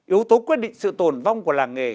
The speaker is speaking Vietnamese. yếu tố quyết định sự tồn vong của làng nghề